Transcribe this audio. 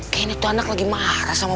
kayaknya tuhan aku suruh penapaan ya